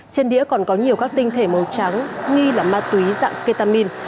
trên đĩa còn có nhiều các tinh thể màu trắng nghi là ma túy dạng ketamin